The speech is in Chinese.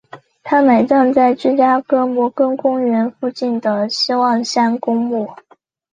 他被埋葬在芝加哥摩根公园附近的希望山公墓。